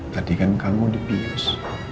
tadi kan kamu dipius